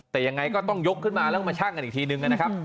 แต่ยังไงก็ต้องยกขึ้นมาแล้วมาชั่งกันอีกทีนึงนะครับ